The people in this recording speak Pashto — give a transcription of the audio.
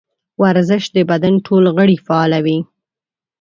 ورزش د بدن ټول غړي فعالوي.